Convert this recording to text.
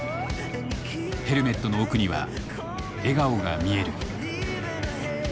ヘルメットの奥には笑顔が見える。